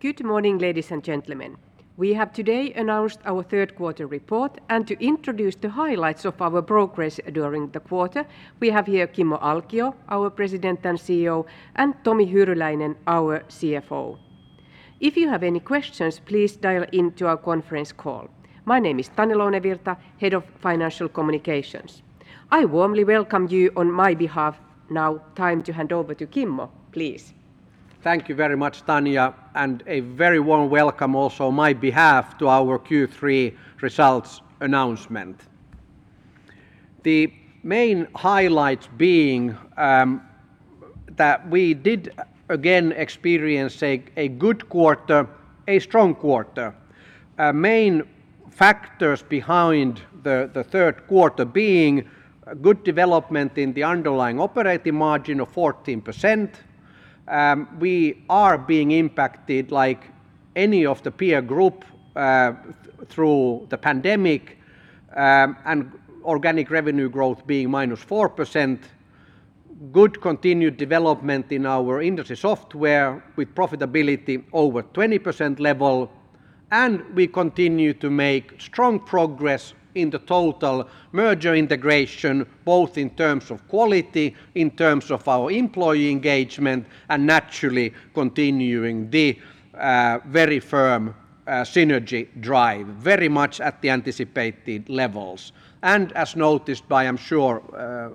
Good morning, ladies and gentlemen. We have today announced our third-quarter report, and to introduce the highlights of our progress during the quarter, we have here Kimmo Alkio, our President and CEO, and Tomi Hyryläinen, our CFO. If you have any questions, please dial into our conference call. My name is Tanja Lounevirta, Head of Financial Communications. I warmly welcome you on my behalf. Now time to hand over to Kimmo, please. Thank you very much, Tanja. A very warm welcome also on my behalf to our Q3 results announcement. The main highlights being that we did again experience a good quarter, a strong quarter. Main factors behind the third quarter being good development in the underlying operating margin of 14%. We are being impacted, like any of the peer group, through the pandemic, and organic revenue growth being -4%. Good continued development in our industry software with profitability over 20% level. We continue to make strong progress in the total merger integration, both in terms of quality, in terms of our employee engagement, and naturally continuing the very firm synergy drive, very much at the anticipated levels. As noticed, I am sure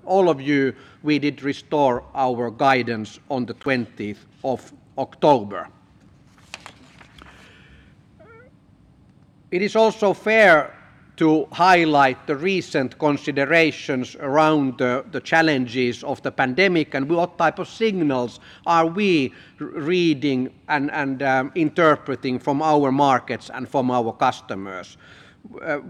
all of you, we did restore our guidance on the 20th of October. It is also fair to highlight the recent considerations around the challenges of the pandemic and what type of signals are we reading and interpreting from our markets and from our customers.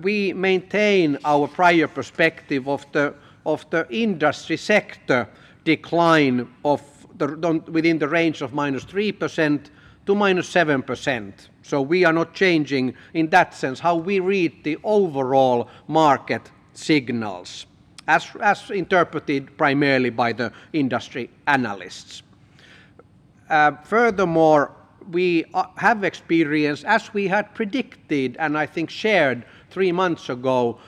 We maintain our prior perspective of the industry sector decline within the range of -3% to -7%. We are not changing in that sense how we read the overall market signals, as interpreted primarily by the industry analysts. Furthermore, we have experienced, as we had predicted and I think shared three months ago,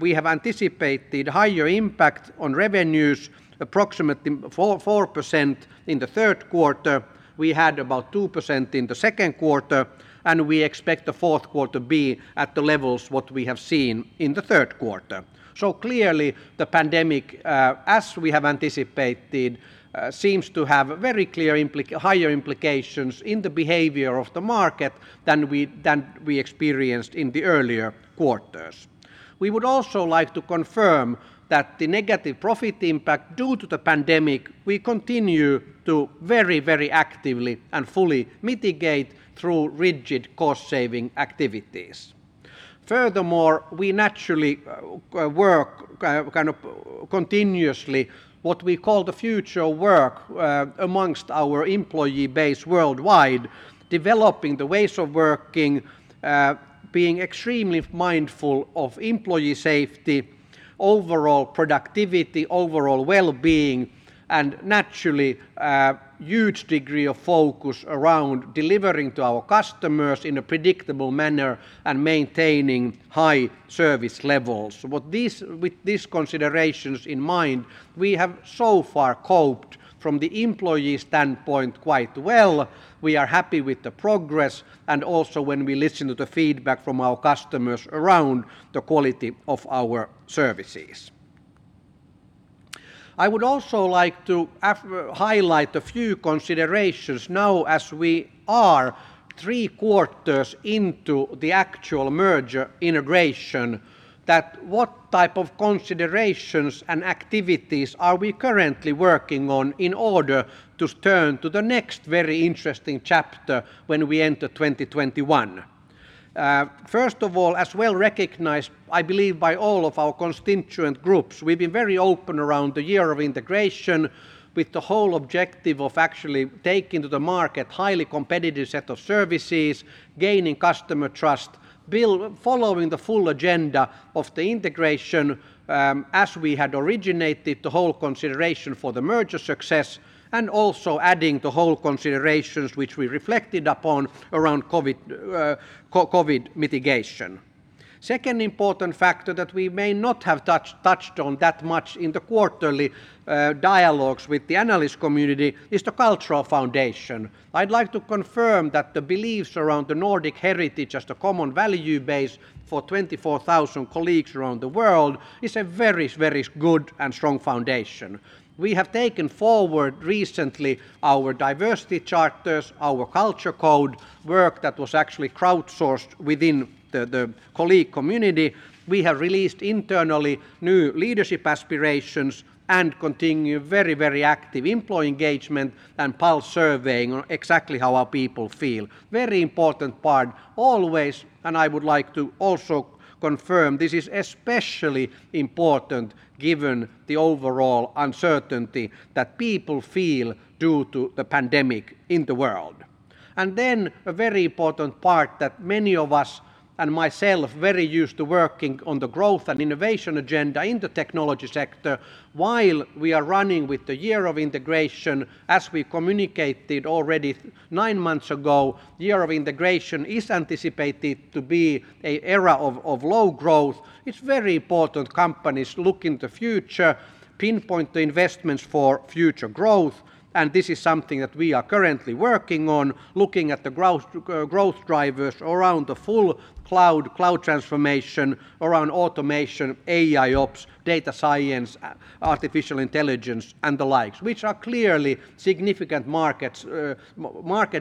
we have anticipated higher impact on revenues, approximately 4% in the third quarter. We had about 2% in the second quarter, and we expect the fourth quarter be at the levels what we have seen in the third quarter. Clearly the pandemic, as we have anticipated, seems to have very clear higher implications in the behavior of the market than we experienced in the earlier quarters. We would also like to confirm that the negative profit impact due to the pandemic, we continue to very actively and fully mitigate through rigid cost-saving activities. Furthermore, we naturally work kind of continuously what we call the future work amongst our employee base worldwide, developing the ways of working, being extremely mindful of employee safety, overall productivity, overall wellbeing, and naturally a huge degree of focus around delivering to our customers in a predictable manner and maintaining high service levels. With these considerations in mind, we have so far coped from the employee standpoint quite well. We are happy with the progress and also when we listen to the feedback from our customers around the quality of our services. I would also like to highlight a few considerations now as we are three quarters into the actual merger integration, that what type of considerations and activities are we currently working on in order to turn to the next very interesting chapter when we enter 2021? First of all, as well recognized, I believe, by all of our constituent groups, we've been very open around the year of integration with the whole objective of actually taking to the market highly competitive set of services, gaining customer trust, following the full agenda of the integration as we had originated the whole consideration for the merger success, and also adding the whole considerations which we reflected upon around COVID mitigation. Second important factor that we may not have touched on that much in the quarterly dialogues with the analyst community is the Cultural Foundation. I'd like to confirm that the beliefs around the Nordic heritage as the common value base for 24,000 colleagues around the world is a very good and strong foundation. We have taken forward recently our diversity charters, our culture code work that was actually crowdsourced within the colleague community. We have released internally new leadership aspirations and continue very active employee engagement and pulse surveying on exactly how our people feel. Very important part always, and I would like to also confirm this is especially important given the overall uncertainty that people feel due to the pandemic in the world. A very important part that many of us and myself very used to working on the growth and innovation agenda in the technology sector while we are running with the year of integration, as we communicated already nine months ago, year of integration is anticipated to be an era of low growth. It's very important companies look in the future, pinpoint the investments for future growth, and this is something that we are currently working on, looking at the growth drivers around the full cloud transformation, around automation, AIOps, data science, artificial intelligence, and the likes, which are clearly significant market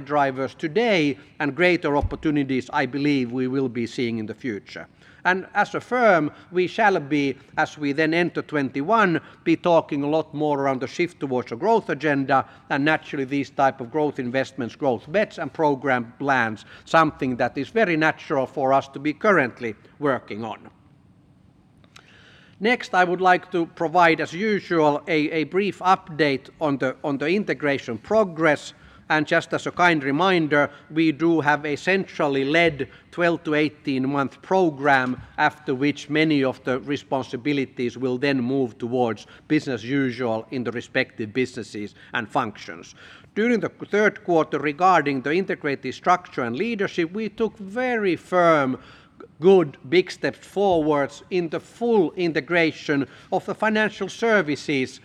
drivers today and greater opportunities I believe we will be seeing in the future. As a firm, we shall be, as we then enter 2021, be talking a lot more around the shift towards a growth agenda and naturally these type of growth investments, growth bets, and program plans, something that is very natural for us to be currently working on. Next, I would like to provide as usual a brief update on the integration progress. Just as a kind reminder, we do have a centrally led 12- to 18-month program, after which many of the responsibilities will then move towards business as usual in the respective businesses and functions. During the third quarter regarding the integrated structure and leadership, we took very firm, good, big step forward in the full integration of the financial services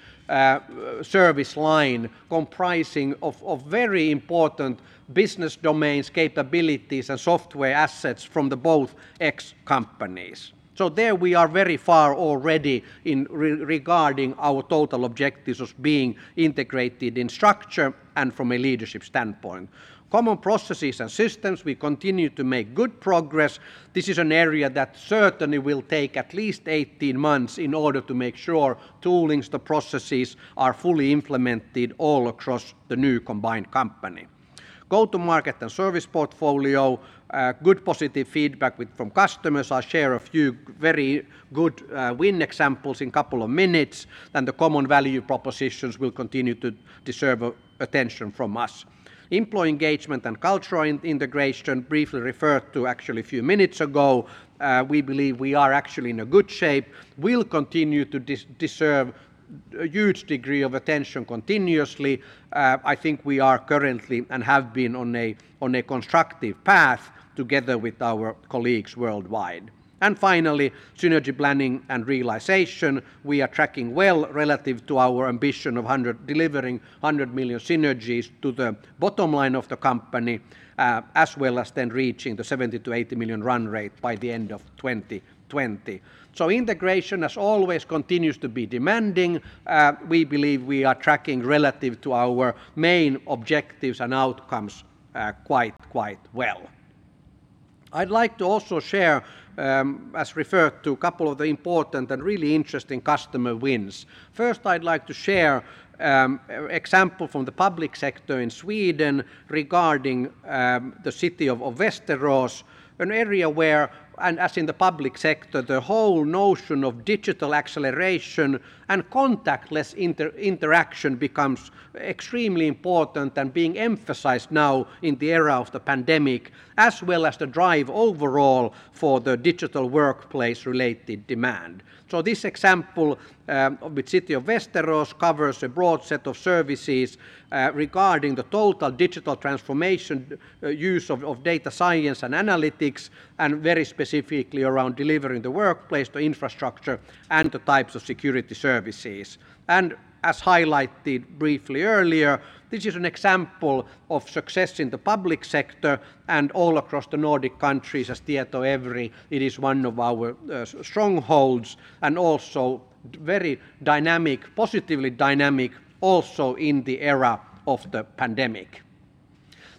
service line comprising of very important business domains, capabilities, and software assets from the both ex companies. There we are very far already regarding our total objectives as being integrated in structure and from a leadership standpoint. Common processes and systems, we continue to make good progress. This is an area that certainly will take at least 18 months in order to make sure toolings, the processes are fully implemented all across the new combined company. Go-to-market and service portfolio, good positive feedback from customers. I'll share a few very good win examples in couple of minutes. The common value propositions will continue to deserve attention from us. Employee engagement and cultural integration, briefly referred to actually a few minutes ago. We believe we are actually in a good shape. Will continue to deserve a huge degree of attention continuously. I think we are currently and have been on a constructive path together with our colleagues worldwide. Finally, synergy planning and realization. We are tracking well relative to our ambition of delivering 100 million synergies to the bottom line of the company, as well as reaching the 70 million-80 million run rate by the end of 2020. Integration, as always, continues to be demanding. We believe we are tracking relative to our main objectives and outcomes quite well. I'd like to also share, as referred to, a couple of the important and really interesting customer wins. First, I'd like to share example from the public sector in Sweden regarding the city of Västerås, an area where, and as in the public sector, the whole notion of digital acceleration and contactless interaction becomes extremely important and being emphasized now in the era of the pandemic, as well as the drive overall for the digital workplace-related demand. This example with city of Västerås covers a broad set of services regarding the total digital transformation use of data science and analytics, and very specifically around delivering the workplace, the infrastructure, and the types of security services. As highlighted briefly earlier, this is an example of success in the public sector and all across the Nordic countries as TietoEVRY. It is one of our strongholds, and also very positively dynamic also in the era of the pandemic.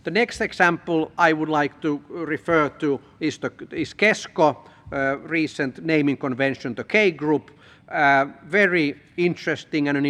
The next example I would like to refer to is Kesko, recent naming convention, the K Group. Very interesting and an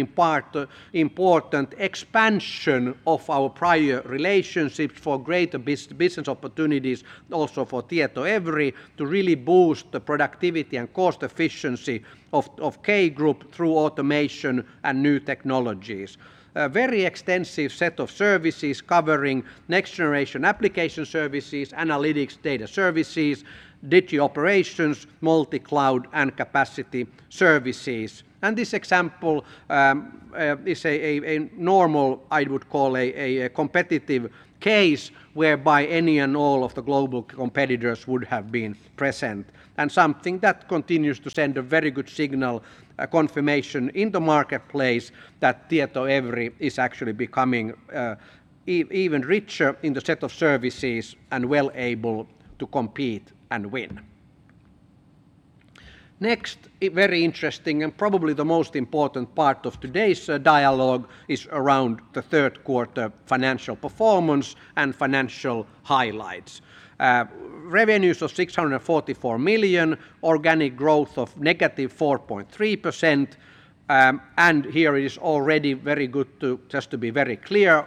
important expansion of our prior relationship for greater business opportunities also for TietoEVRY to really boost the productivity and cost efficiency of K Group through automation and new technologies. A very extensive set of services covering next-generation application services, analytics, data services, digital operations, multi-cloud, and capacity services. This example is a normal, I would call, a competitive case whereby any and all of the global competitors would have been present, and something that continues to send a very good signal, a confirmation in the marketplace that TietoEVRY is actually becoming even richer in the set of services and well able to compete and win. Next, a very interesting and probably the most important part of today's dialogue is around the third quarter financial performance and financial highlights. Revenues of EUR 644 million, organic growth of -4.3%. Here is already very good to just to be very clear,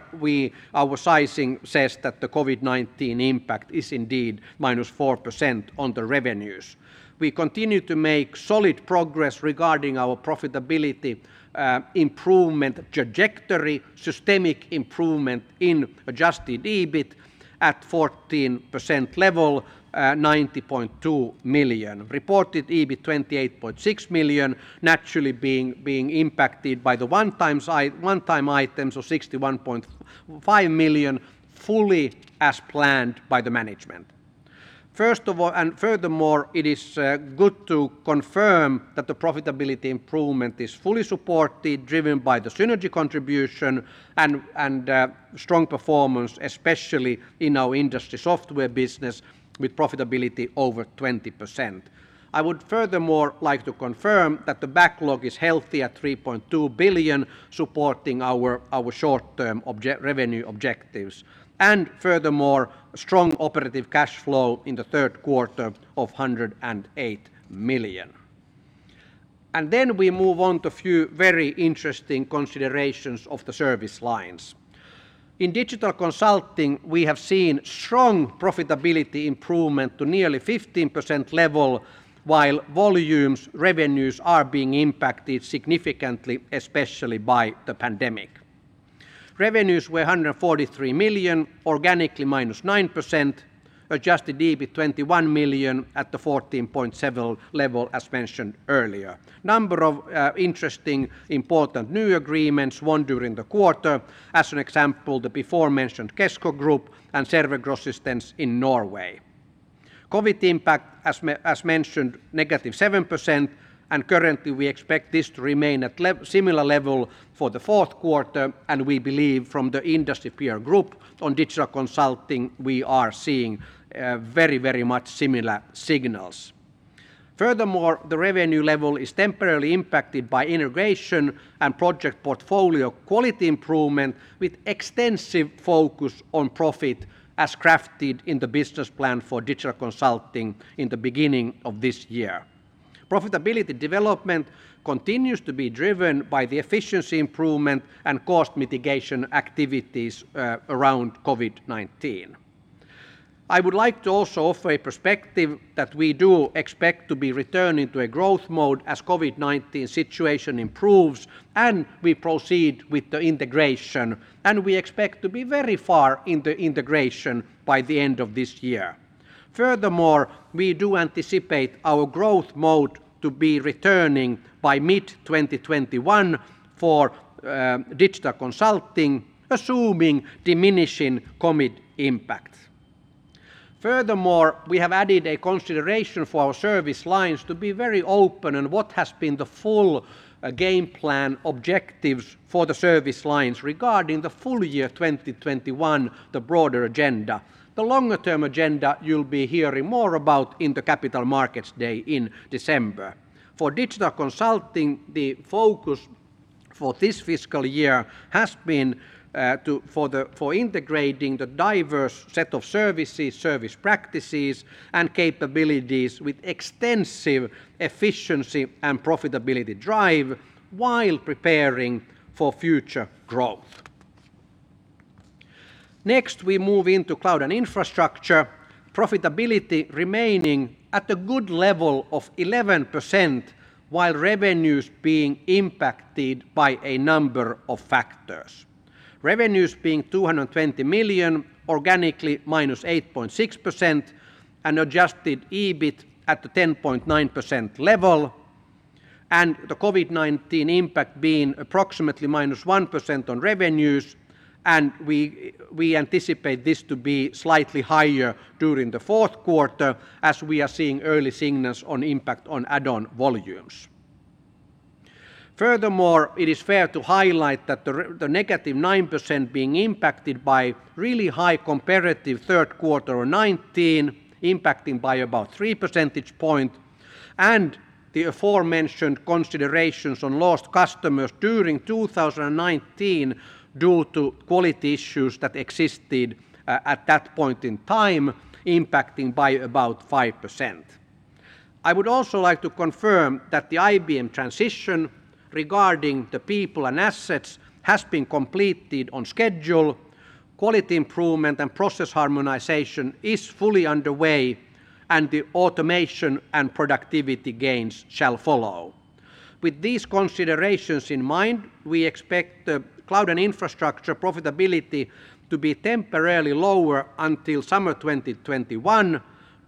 our sizing says that the COVID-19 impact is indeed -4% on the revenues. We continue to make solid progress regarding our profitability improvement trajectory, systemic improvement in adjusted EBIT at 14% level, 90.2 million. Reported EBIT, 28.6 million, naturally being impacted by the one-time items of 61.5 million, fully as planned by the management. First of all, and furthermore, it is good to confirm that the profitability improvement is fully supported, driven by the synergy contribution and strong performance, especially in our industry software business with profitability over 20%. I would furthermore like to confirm that the backlog is healthy at 3.2 billion, supporting our short-term revenue objectives, and furthermore, a strong operative cash flow in the third quarter of 108 million. We move on to a few very interesting considerations of the service lines. In digital consulting, we have seen strong profitability improvement to nearly 15% level while volumes revenues are being impacted significantly, especially by the pandemic. Revenues were 143 million, organically -9%, adjusted EBIT 21 million at the 14.7 level as mentioned earlier. Number of interesting, important new agreements, won during the quarter. As an example, the before-mentioned Kesko Group and Servicegrossistene in Norway. COVID impact, as mentioned, -7%, and currently we expect this to remain at similar level for the fourth quarter, and we believe from the industry peer group on digital consulting, we are seeing very much similar signals. Furthermore, the revenue level is temporarily impacted by integration and project portfolio quality improvement with extensive focus on profit as crafted in the business plan for digital consulting in the beginning of this year. Profitability development continues to be driven by the efficiency improvement and cost mitigation activities around COVID-19. I would like to also offer a perspective that we do expect to be returning to a growth mode as COVID-19 situation improves and we proceed with the integration, and we expect to be very far in the integration by the end of this year. Furthermore, we do anticipate our growth mode to be returning by mid-2021 for digital consulting, assuming diminishing COVID impact. Furthermore, we have added a consideration for our service lines to be very open on what has been the full game plan objectives for the service lines regarding the full year 2021, the broader agenda. The longer-term agenda you'll be hearing more about in the Capital Markets Day in December. For digital consulting, the focus for this fiscal year has been for integrating the diverse set of services, service practices, and capabilities with extensive efficiency and profitability drive while preparing for future growth. Next, we move into cloud and infrastructure profitability remaining at a good level of 11%, while revenues being impacted by a number of factors. Revenues being 220 million, organically -8.6%, and adjusted EBIT at the 10.9% level, and the COVID-19 impact being approximately -1% on revenues. We anticipate this to be slightly higher during the fourth quarter as we are seeing early signals on impact on add-on volumes. Furthermore, it is fair to highlight that the -9% being impacted by really high comparative third quarter of 2019, impacting by about 3 percentage point, and the aforementioned considerations on lost customers during 2019 due to quality issues that existed at that point in time, impacting by about 5%. I would also like to confirm that the IBM transition regarding the people and assets has been completed on schedule. Quality improvement and process harmonization is fully underway, and the automation and productivity gains shall follow. With these considerations in mind, we expect the cloud and infrastructure profitability to be temporarily lower until summer 2021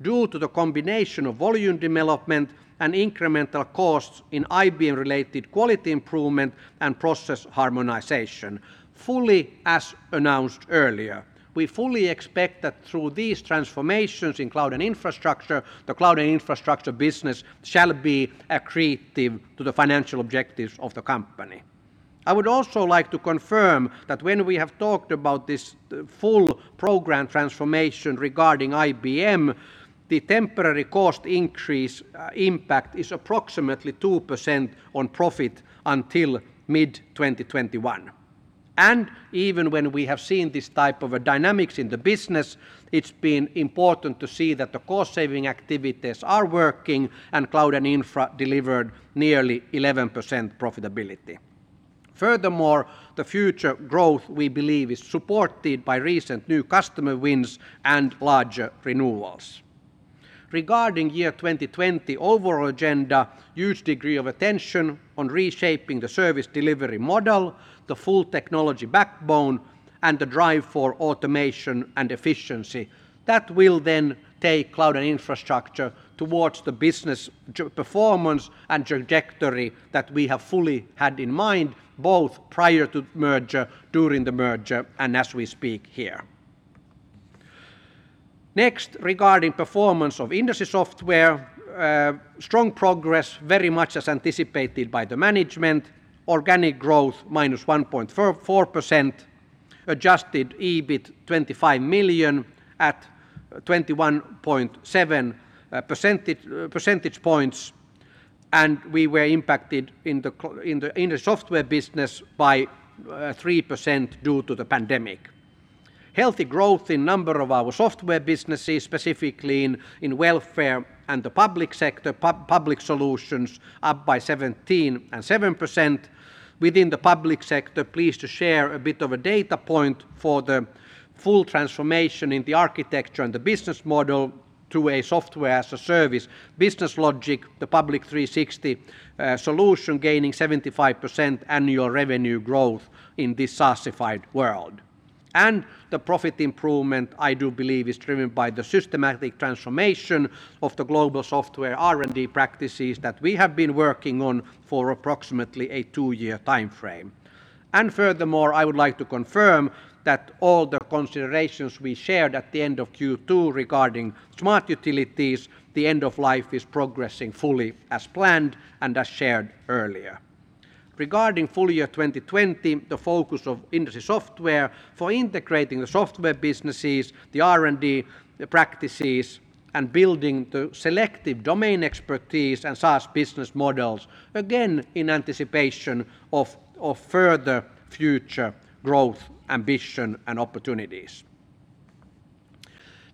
due to the combination of volume development and incremental costs in IBM-related quality improvement and process harmonization. Fully as announced earlier. We fully expect that through these transformations in cloud and infrastructure, the cloud and infrastructure business shall be accretive to the financial objectives of the company. I would also like to confirm that when we have talked about this full program transformation regarding IBM, the temporary cost increase impact is approximately 2% on profit until mid-2021. Even when we have seen this type of a dynamics in the business, it's been important to see that the cost-saving activities are working and cloud and infra delivered nearly 11% profitability. The future growth, we believe, is supported by recent new customer wins and larger renewals. Regarding 2020 overall agenda, huge degree of attention on reshaping the service delivery model, the full technology backbone, and the drive for automation and efficiency. That will take cloud and infrastructure towards the business performance and trajectory that we have fully had in mind, both prior to merger, during the merger, and as we speak here. Regarding performance of Industry Software, strong progress very much as anticipated by the management. Organic growth -1.4%, adjusted EBIT 25 million at 21.7 percentage points, we were impacted in the software business by 3% due to the pandemic. Healthy growth in number of our software businesses, specifically in welfare and the public sector, Public 360° solutions up by 17 and 7%. Within the public sector, pleased to share a bit of a data point for the full transformation in the architecture and the business model to a software as a service business logic, the Public 360 solution gaining 75% annual revenue growth in this SaaSified world. The profit improvement, I do believe, is driven by the systematic transformation of the global software R&D practices that we have been working on for approximately a two-year timeframe. Furthermore, I would like to confirm that all the considerations we shared at the end of Q2 regarding Smart Utility, the end of life is progressing fully as planned and as shared earlier. Regarding full year 2020, the focus of Industry Software for integrating the software businesses, the R&D practices, and building the selective domain expertise and SaaS business models, again in anticipation of further future growth ambition and opportunities.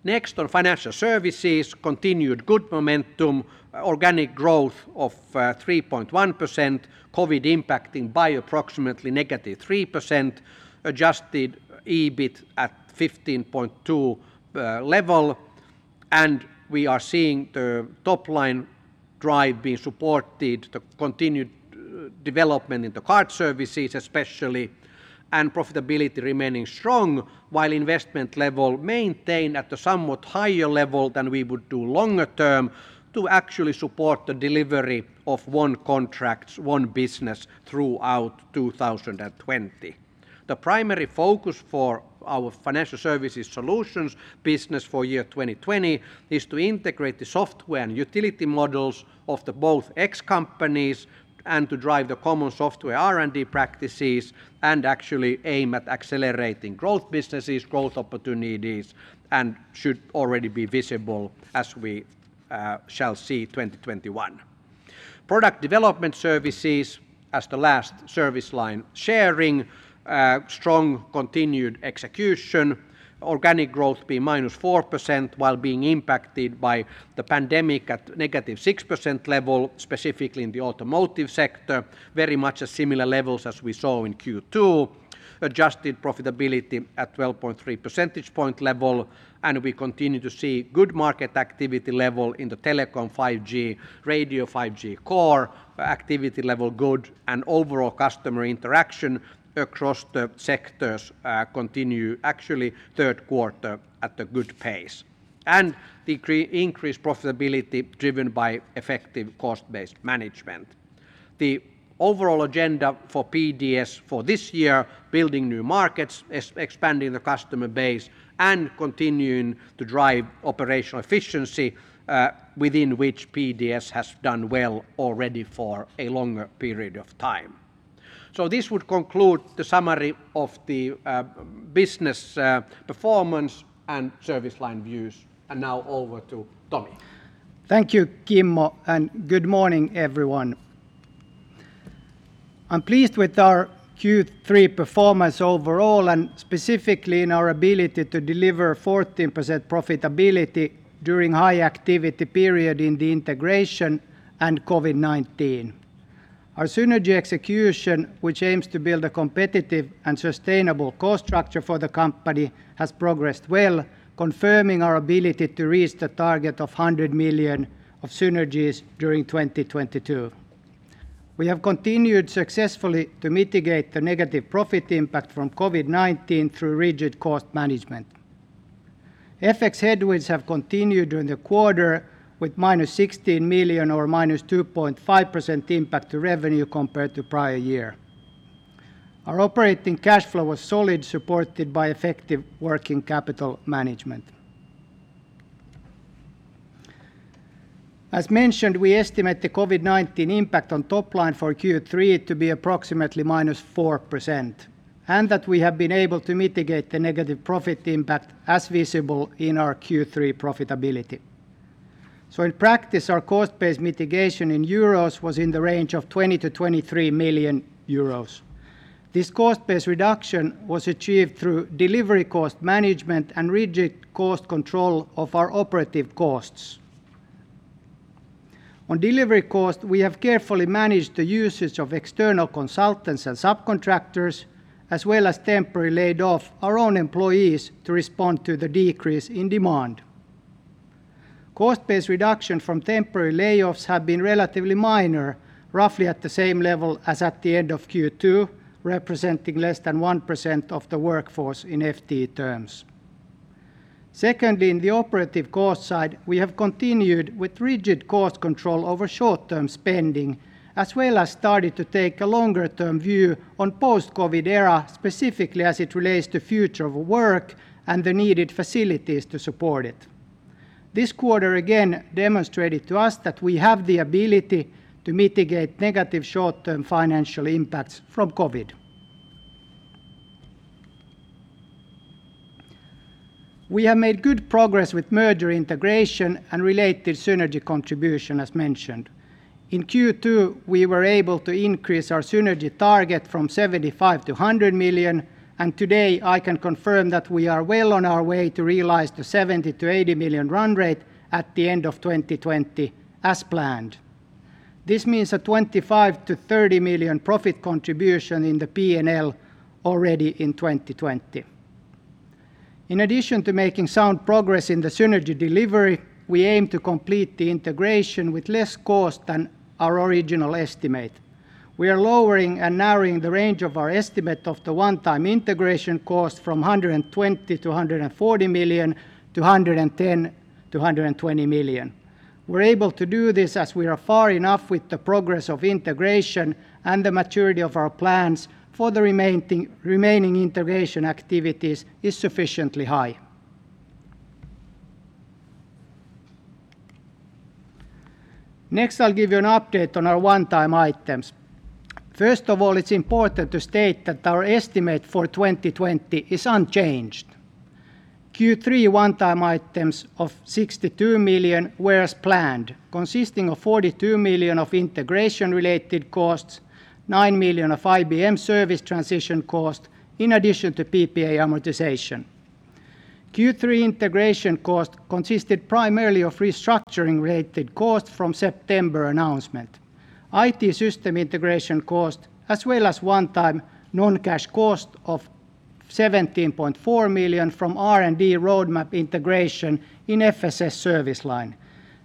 Next on Financial Services, continued good momentum, organic growth of 3.1%, COVID impacting by approximately -3%, adjusted EBIT at 15.2 level. We are seeing the top-line drive being supported, the continued development in the card services especially, and profitability remaining strong while investment level maintained at a somewhat higher level than we would do longer term to actually support the delivery of One Contracts, One Business throughout 2020. The primary focus for our financial services solutions business for year 2020 is to integrate the software and utility models of the both ex companies and to drive the common software R&D practices and actually aim at accelerating growth businesses, growth opportunities, and should already be visible as we shall see 2021. Product Development Services, as the last service line sharing, strong continued execution, organic growth be -4% while being impacted by the pandemic at -6% level, specifically in the automotive sector, very much a similar levels as we saw in Q2, adjusted profitability at 12.3 percentage point level. We continue to see good market activity level in the telecom 5G, radio 5G core, activity level good, and overall customer interaction across the sectors continue actually third quarter at a good pace. The increased profitability driven by effective cost-based management. The overall agenda for PDS for this year, building new markets, expanding the customer base, and continuing to drive operational efficiency, within which PDS has done well already for a longer period of time. This would conclude the summary of the business performance and service line views. Now over to Tomi. Thank you, Kimmo, good morning, everyone. I'm pleased with our Q3 performance overall and specifically in our ability to deliver 14% profitability during high activity period in the integration and COVID-19. Our synergy execution, which aims to build a competitive and sustainable cost structure for the company, has progressed well, confirming our ability to reach the target of 100 million of synergies during 2022. We have continued successfully to mitigate the negative profit impact from COVID-19 through rigid cost management. FX headwinds have continued during the quarter with -16 million or -2.5% impact to revenue compared to prior year. Our operating cash flow was solid, supported by effective working capital management. As mentioned, we estimate the COVID-19 impact on top line for Q3 to be approximately -4%, and that we have been able to mitigate the negative profit impact as visible in our Q3 profitability. In practice, our cost-based mitigation in euros was in the range of 20 million-23 million euros. This cost-based reduction was achieved through delivery cost management and rigid cost control of our operative costs. On delivery cost, we have carefully managed the usage of external consultants and subcontractors, as well as temporary laid off our own employees to respond to the decrease in demand. Cost-based reduction from temporary layoffs have been relatively minor, roughly at the same level as at the end of Q2, representing less than 1% of the workforce in FTE terms. Secondly, in the operative cost side, we have continued with rigid cost control over short-term spending, as well as started to take a longer-term view on post-COVID era, specifically as it relates to future of work and the needed facilities to support it. This quarter again demonstrated to us that we have the ability to mitigate negative short-term financial impacts from COVID. We have made good progress with merger integration and related synergy contribution, as mentioned. In Q2, we were able to increase our synergy target from 75 million to 100 million. Today I can confirm that we are well on our way to realize the 70 million to 80 million run rate at the end of 2020 as planned. This means a 25 million to 30 million profit contribution in the P&L already in 2020. In addition to making sound progress in the synergy delivery, we aim to complete the integration with less cost than our original estimate. We are lowering and narrowing the range of our estimate of the one-time integration cost from 120 million-140 million to 110 million-120 million. We're able to do this as we are far enough with the progress of integration and the maturity of our plans for the remaining integration activities is sufficiently high. I'll give you an update on our one-time items. It's important to state that our estimate for 2020 is unchanged. Q3 one-time items of 62 million were as planned, consisting of 42 million of integration-related costs, 9 million of IBM service transition cost in addition to PPA amortization. Q3 integration cost consisted primarily of restructuring-related costs from September announcement, IT system integration cost, as well as one-time non-cash cost of 17.4 million from R&D roadmap integration in FSS service line.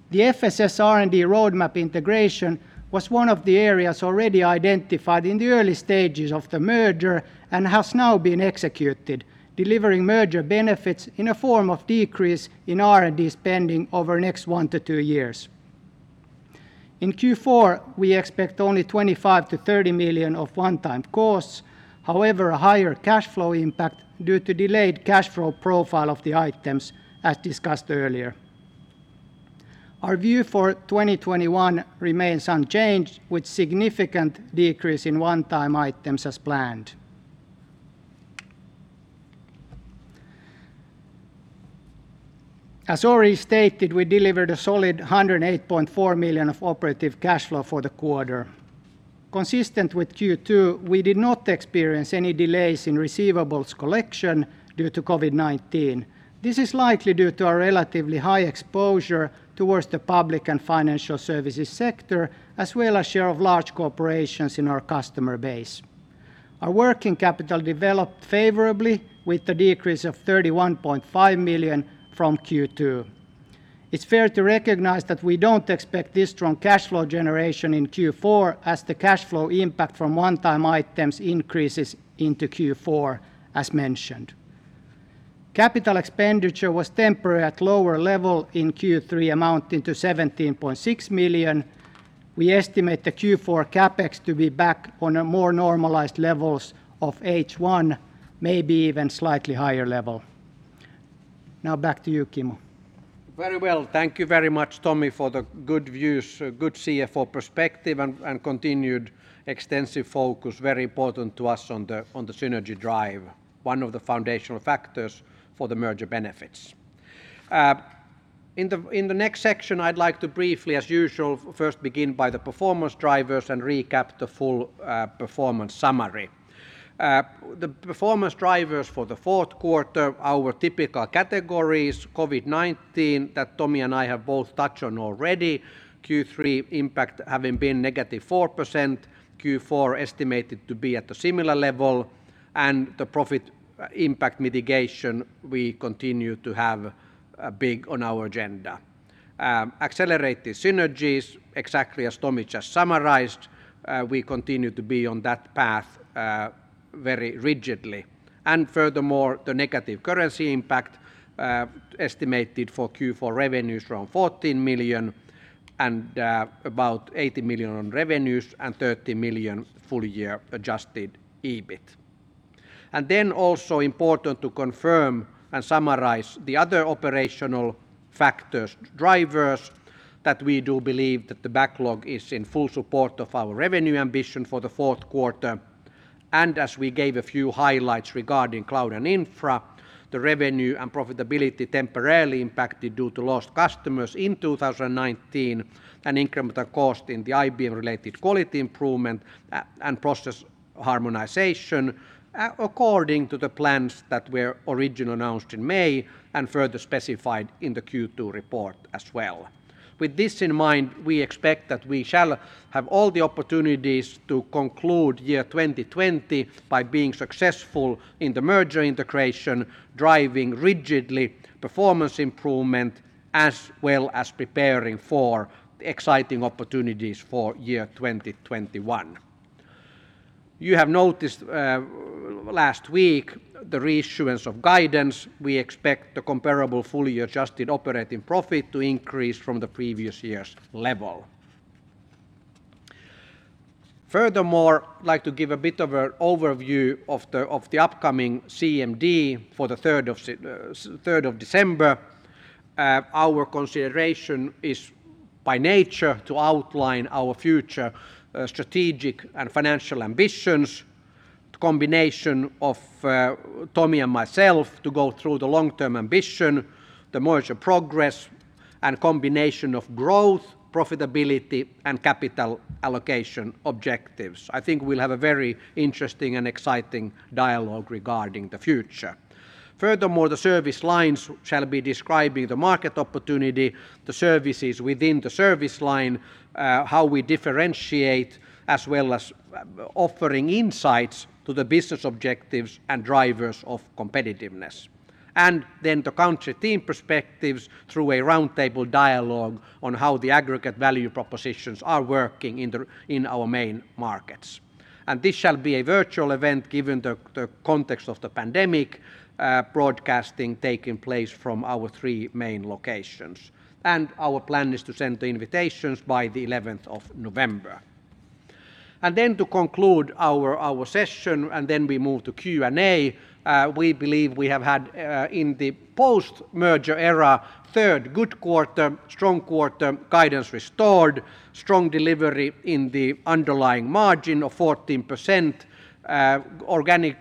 The FSS R&D roadmap integration was one of the areas already identified in the early stages of the merger and has now been executed, delivering merger benefits in a form of decrease in R&D spending over next one to two years. In Q4, we expect only 25 million-30 million of one-time costs. However, a higher cash flow impact due to delayed cash flow profile of the items, as discussed earlier. Our view for 2021 remains unchanged with significant decrease in one-time items as planned. As already stated, we delivered a solid 108.4 million of operative cash flow for the quarter. Consistent with Q2, we did not experience any delays in receivables collection due to COVID-19. This is likely due to our relatively high exposure towards the public and financial services sector, as well as share of large corporations in our customer base. Our working capital developed favorably with the decrease of 31.5 million from Q2. It's fair to recognize that we don't expect this strong cash flow generation in Q4 as the cash flow impact from one-time items increases into Q4, as mentioned. Capital expenditure was temporarily at lower level in Q3, amounting to 17.6 million. We estimate the Q4 CapEx to be back on a more normalized levels of H1, maybe even slightly higher level. Back to you, Kimmo. Very well. Thank you very much, Tomi, for the good views, good CFO perspective, and continued extensive focus, very important to us on the synergy drive, one of the foundational factors for the merger benefits. In the next section, I'd like to briefly, as usual, first begin by the performance drivers and recap the full performance summary. The performance drivers for the fourth quarter, our typical categories, COVID-19 that Tomi and I have both touched on already, Q3 impact having been -4%, Q4 estimated to be at a similar level. The profit impact mitigation we continue to have big on our agenda. Accelerated synergies, exactly as Tomi just summarized, we continue to be on that path very rigidly. Furthermore, the negative currency impact estimated for Q4 revenues around 14 million, and about 80 million on revenues and 30 million full-year adjusted EBIT. Also important to confirm and summarize the other operational factors, drivers that we do believe that the backlog is in full support of our revenue ambition for the fourth quarter. As we gave a few highlights regarding cloud and infra, the revenue and profitability temporarily impacted due to lost customers in 2019, an incremental cost in the IBM-related quality improvement and process harmonization according to the plans that were originally announced in May and further specified in the Q2 report as well. With this in mind, we expect that we shall have all the opportunities to conclude year 2020 by being successful in the merger integration, driving rigidly performance improvement, as well as preparing for exciting opportunities for year 2021. You have noticed last week the reissuance of guidance. We expect the comparable full-year adjusted operating profit to increase from the previous year's level. I'd like to give a bit of an overview of the upcoming CMD for the 3rd of December. Our consideration is by nature to outline our future strategic and financial ambitions. The combination of Tomi and myself to go through the long-term ambition, the merger progress, and combination of growth, profitability, and capital allocation objectives. I think we'll have a very interesting and exciting dialogue regarding the future. The service lines shall be describing the market opportunity, the services within the service line, how we differentiate, as well as offering insights to the business objectives and drivers of competitiveness. The country team perspectives through a roundtable dialogue on how the aggregate value propositions are working in our main markets. This shall be a virtual event given the context of the pandemic, broadcasting taking place from our three main locations. Our plan is to send the invitations by the 11th of November. To conclude our session, and then we move to Q&A, we believe we have had in the post-merger era, third good quarter, strong quarter, guidance restored, strong delivery in the underlying margin of 14%, organic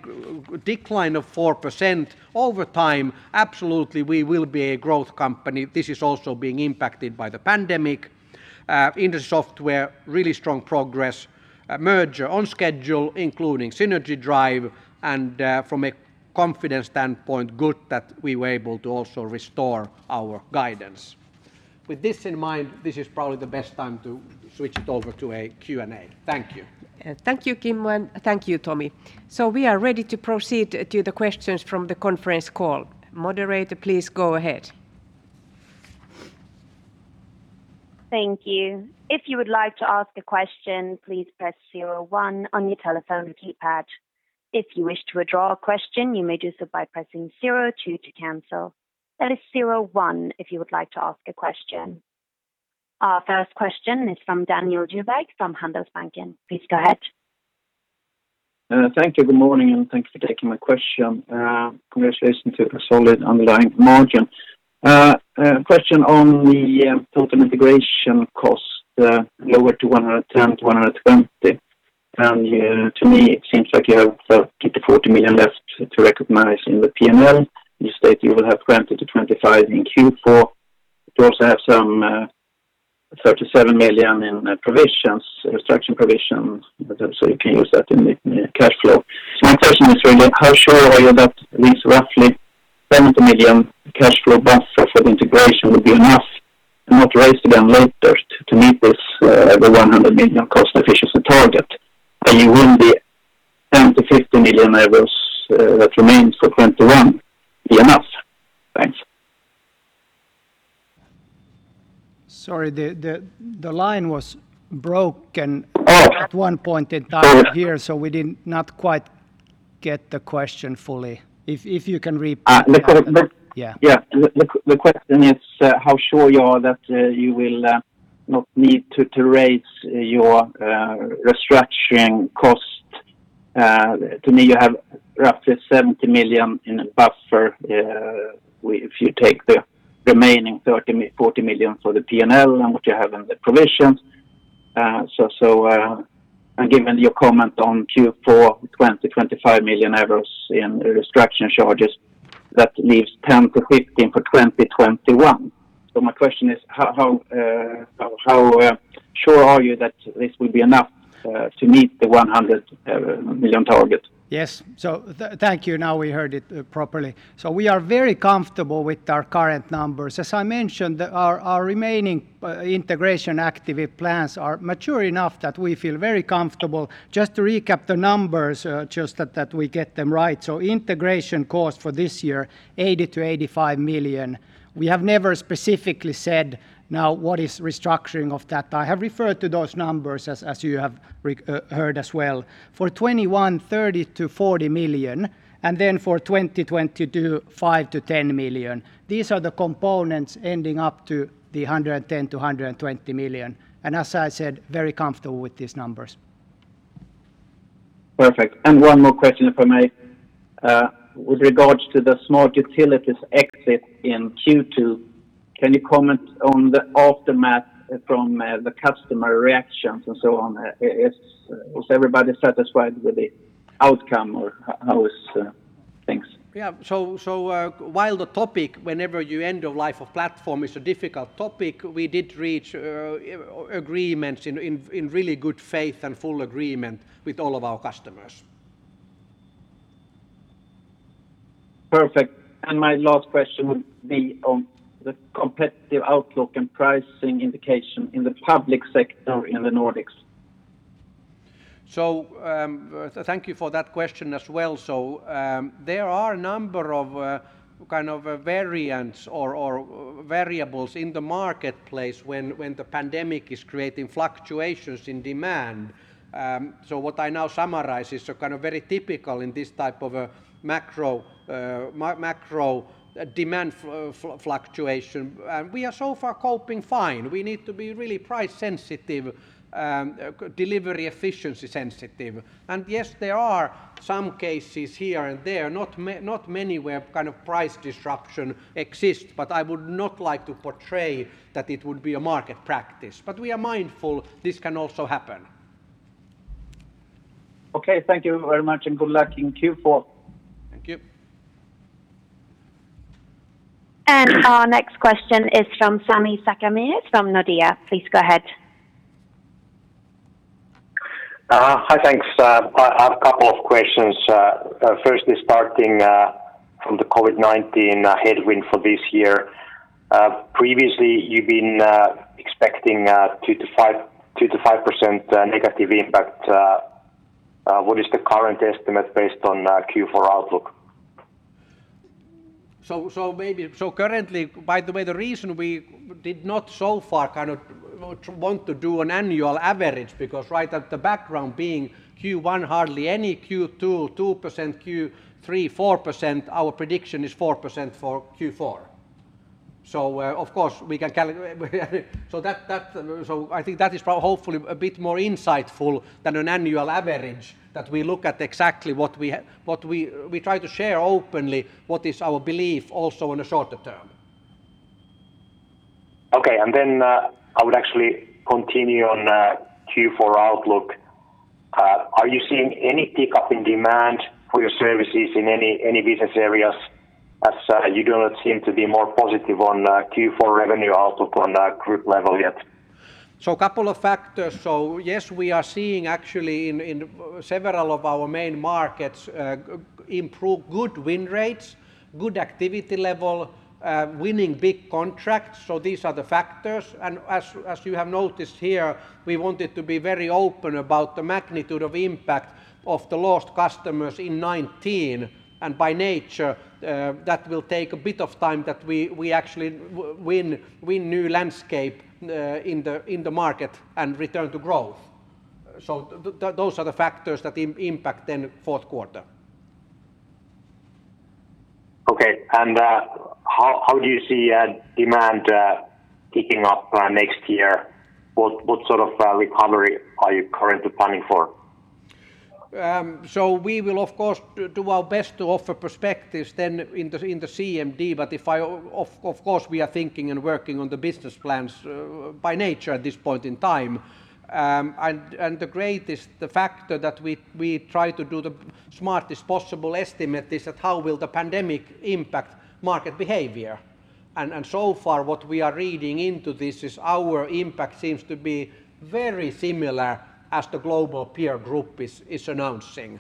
decline of 4%. Over time, absolutely we will be a growth company. This is also being impacted by the pandemic. In the software, really strong progress. Merger on schedule, including synergy drive, and from a confidence standpoint, good that we were able to also restore our guidance. With this in mind, this is probably the best time to switch it over to a Q&A. Thank you. Thank you, Kimmo, and thank you, Tomi. We are ready to proceed to the questions from the conference call. Moderator, please go ahead. Thank you. If you would like to ask a question please press zero one on your telephone keypad. If you wish to withdraw a question you may do so by pressing zero to cancel. Our first question is from Daniel Djurberg from Handelsbanken. Please go ahead. Thank you. Good morning, and thanks for taking my question. Congratulations to the solid underlying margin. Question on the Tieto integration cost lower to 110 million-120 million. To me, it seems like you have 30 million-40 million left to recognize in the P&L. You state you will have 20 million-25 million in Q4. You also have some 37 million in restructuring provisions, so you can use that in the cash flow. My question is really, how sure are you that this roughly 70 million cash flow buffer for the integration will be enough and not raise again later to meet this over 100 million cost efficiency target? Will the 10 million-15 million euros that remains for 2021 be enough? Thanks. Sorry, the line was broken. Oh at one point. It died here, so we did not quite get the question fully. If you can repeat. The question. Yeah The question is how sure you are that you will not need to raise your restructuring cost? To me, you have roughly 70 million in a buffer if you take the remaining 30 million, 40 million for the P&L and what you have in the provisions. Given your comment on Q4, 20 million euros, 25 million EUR in restructuring charges, that leaves 10 million-15 million for 2021. My question is how sure are you that this will be enough to meet the 100 million target? Yes. Thank you. Now we heard it properly. We are very comfortable with our current numbers. As I mentioned, our remaining integration activity plans are mature enough that we feel very comfortable. Just to recap the numbers, just that we get them right. Integration cost for this year, 80 million-85 million. We have never specifically said, now what is restructuring of that? I have referred to those numbers as you have heard as well. For 2021, 30 million-40 million, for 2022, 5 million-10 million. These are the components ending up to the 110 million-120 million. As I said, very comfortable with these numbers. Perfect. One more question, if I may. With regards to the Smart Utility exit in Q2, can you comment on the aftermath from the customer reactions and so on? Was everybody satisfied with the outcome, or how are things? Yeah. While the topic, whenever you end of life a platform, is a difficult topic, we did reach agreements in really good faith and full agreement with all of our customers. Perfect. My last question would be on the competitive outlook and pricing indication in the public sector in the Nordics. Thank you for that question as well. There are a number of kind of variants or variables in the marketplace when the pandemic is creating fluctuations in demand. What I now summarize is kind of very typical in this type of a macro demand fluctuation. We are so far coping fine. We need to be really price sensitive, delivery efficiency sensitive. Yes, there are some cases here and there, not many, where kind of price disruption exists, but I would not like to portray that it would be a market practice. We are mindful this can also happen. Okay, thank you very much, and good luck in Q4. Thank you. Our next question is from Sami Sarkamies from Nordea. Please go ahead. Hi. Thanks. I have a couple of questions. Firstly, starting from the COVID-19 headwind for this year. Previously, you've been expecting 2%-5% negative impact. What is the current estimate based on Q4 outlook? Currently, by the way, the reason we did not so far kind of want to do an annual average because right at the background being Q1 hardly any, Q2 2%, Q3 4%, our prediction is 4% for Q4. I think that is hopefully a bit more insightful than an annual average that we look at exactly what we try to share openly what is our belief also in the shorter term. Okay, I would actually continue on Q4 outlook. Are you seeing any pickup in demand for your services in any business areas as you do not seem to be more positive on Q4 revenue outlook on the group level yet? Couple of factors. Yes, we are seeing actually in several of our markets improved good win rates, good activity level, winning big contracts. These are the factors, and as you have noticed here, we wanted to be very open about the magnitude of impact of the lost customers in 2019, and by nature, that will take a bit of time that we actually win new landscape in the market and return to growth. Those are the factors that impact then fourth quarter. Okay. How do you see demand picking up next year? What sort of recovery are you currently planning for? We will of course do our best to offer perspectives then in the CMD, but of course we are thinking and working on the business plans by nature at this point in time. The greatest factor that we try to do the smartest possible estimate is that how will the pandemic impact market behavior. So far what we are reading into this is our impact seems to be very similar as the global peer group is announcing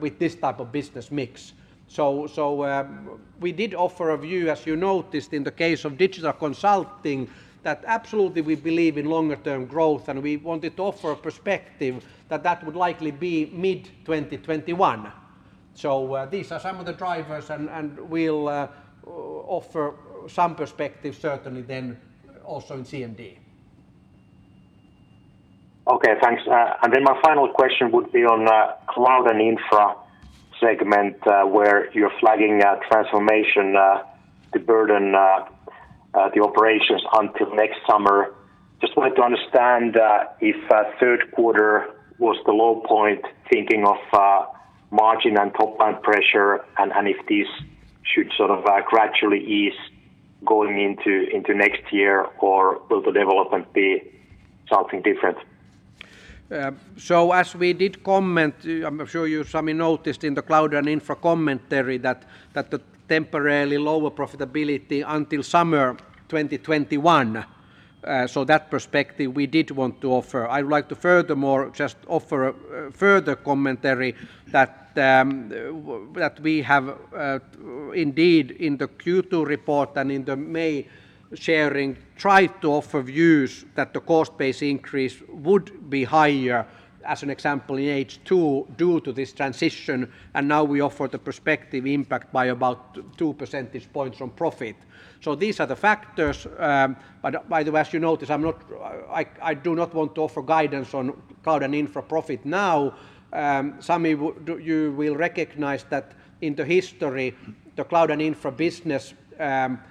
with this type of business mix. We did offer a view, as you noticed in the case of digital consulting, that absolutely we believe in longer term growth, and we wanted to offer a perspective that that would likely be mid-2021. These are some of the drivers and we'll offer some perspective certainly then also in CMD. Okay, thanks. My final question would be on cloud and infra segment where you're flagging transformation to burden the operations until next summer. Just wanted to understand if third quarter was the low point thinking of margin and top-line pressure and if this should sort of gradually ease going into next year or will the development be something different? As we did comment, I'm sure you, Sami, noticed in the cloud and infra commentary that the temporarily lower profitability until summer 2021. That perspective we did want to offer. I would like to furthermore just offer a further commentary that we have indeed in the Q2 report and in the May sharing tried to offer views that the cost base increase would be higher as an example in H2 due to this transition, and now we offer the perspective impact by about 2 percentage points from profit. These are the factors. By the way, as you notice, I do not want to offer guidance on cloud and infra profit now. Sami, you will recognize that in the history, the cloud and infra business,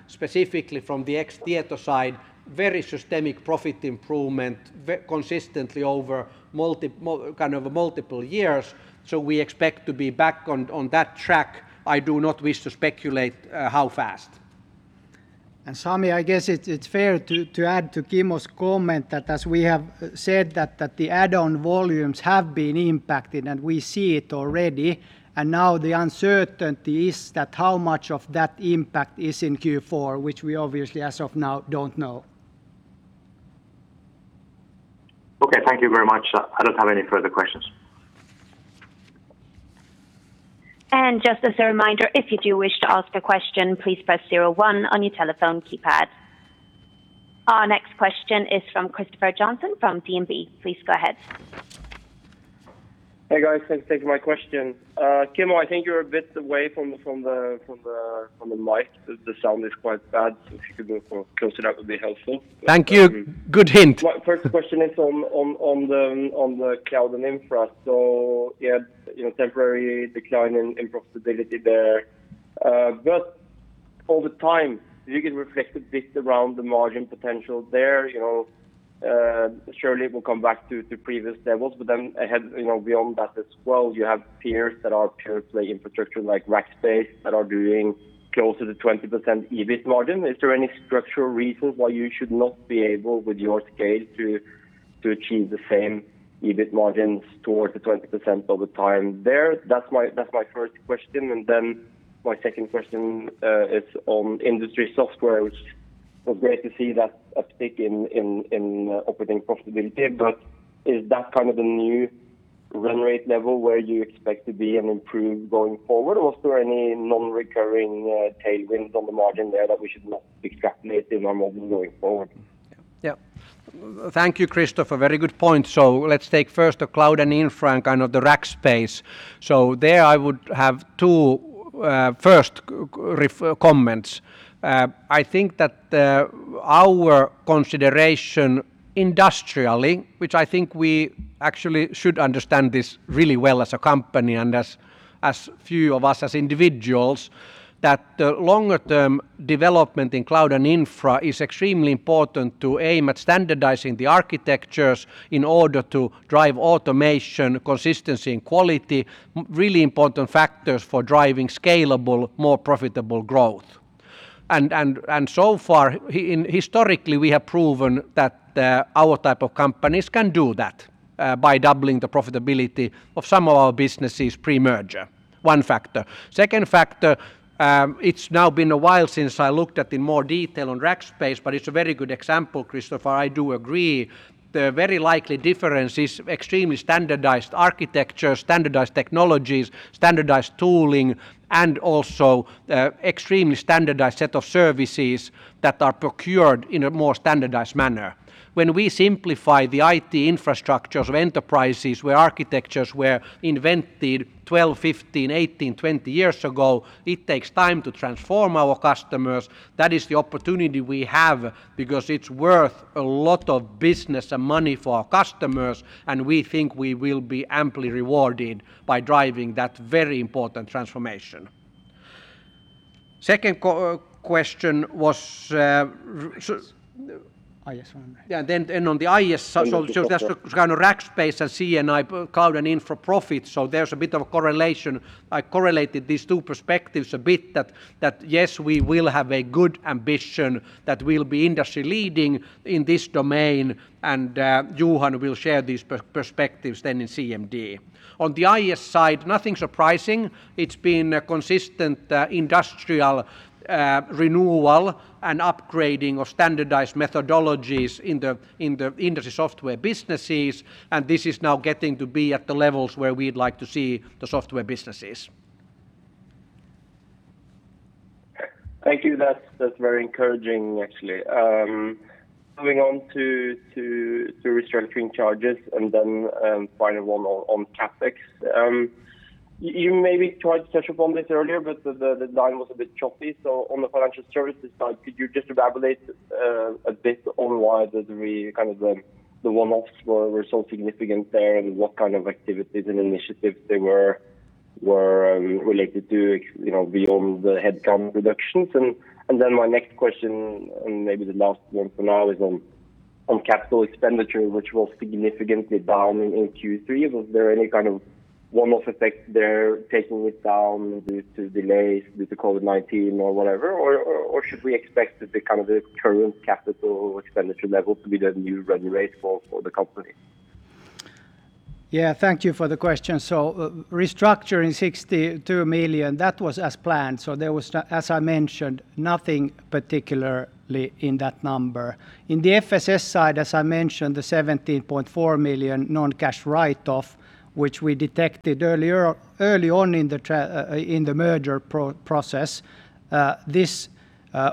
specifically from the ex Tieto side, very systemic profit improvement consistently over kind of multiple years. We expect to be back on that track. I do not wish to speculate how fast. Sami, I guess it's fair to add to Kimmo's comment that as we have said that the add-on volumes have been impacted and we see it already, and now the uncertainty is that how much of that impact is in Q4, which we obviously as of now don't know. Okay, thank you very much. I don't have any further questions. Just as a reminder, if you do wish to ask a question, please press zero one on your telephone keypad. Our next question is from Christopher Johnson from DNB. Please go ahead. Hey, guys. Thanks for taking my question. Kimmo, I think you're a bit away from the mic. The sound is quite bad. If you could move closer, that would be helpful. Thank you. Good hint. My first question is on the cloud and infra. Yeah, temporary decline in profitability there. Over time, you can reflect a bit around the margin potential there. Surely it will come back to previous levels, but then ahead, beyond that as well, you have peers that are pure play infrastructure like Rackspace that are doing closer to 20% EBIT margin. Is there any structural reason why you should not be able with your scale to achieve the same EBIT margins towards the 20% over time there. That's my first question. My second question is on industry software, which was great to see that a peak in operating profitability. Is that kind of the new run rate level where you expect to be an improve going forward? Was there any non-recurring tailwinds on the margin there that we should not extrapolate the normal going forward? Yeah. Thank you, Christopher. Very good point. Let's take first the cloud and infra and kind of the Rackspace. There I would have two first comments. I think that our consideration industrially, which I think we actually should understand this really well as a company and as few of us as individuals, that the longer-term development in cloud and infra is extremely important to aim at standardizing the architectures in order to drive automation, consistency, and quality, really important factors for driving scalable, more profitable growth. So far, historically, we have proven that our type of companies can do that by doubling the profitability of some of our businesses pre-merger. One factor. Second factor, it's now been a while since I looked at in more detail on Rackspace, but it's a very good example, Christopher, I do agree. The very likely difference is extremely standardized architecture, standardized technologies, standardized tooling, and also extremely standardized set of services that are procured in a more standardized manner. When we simplify the IT infrastructures of enterprises where architectures were invented 12, 15, 18, 20 years ago, it takes time to transform our customers. That is the opportunity we have because it's worth a lot of business and money for our customers, and we think we will be amply rewarded by driving that very important transformation. Second question was. IS Yeah, then on the IS, that's the kind of Rackspace and CNI cloud and infra profit, there's a bit of a correlation. I correlated these two perspectives a bit that, yes, we will have a good ambition that we'll be industry-leading in this domain, Johan will share these perspectives then in CMD. On the IS side, nothing surprising. It's been a consistent industrial renewal and upgrading of standardized methodologies in the industry software businesses, this is now getting to be at the levels where we'd like to see the software businesses Thank you. That's very encouraging, actually. Moving on to restructuring charges. Then final one on CapEx. You maybe tried to touch upon this earlier. The line was a bit choppy. On the financial services side, could you just elaborate a bit on why the one-offs were so significant there and what kind of activities and initiatives they were related to beyond the headcount reductions? My next question, and maybe the last one for now, is on capital expenditure, which was significantly down in Q3. Was there any kind of one-off effect there taking it down due to delays due to COVID-19 or whatever? Should we expect the kind of the current capital expenditure level to be the new run rate for the company? Thank you for the question. Restructuring 62 million, that was as planned. There was, as I mentioned, nothing particularly in that number. In the FSS side, as I mentioned, the 17.4 million non-cash write-off, which we detected early on in the merger process, this